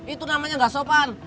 itu namanya enggak sopan